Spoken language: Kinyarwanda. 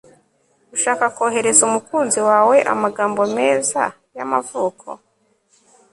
ushaka kohereza umukunzi wawe amagambo meza y'amavuko